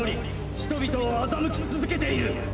人々を欺き続けている！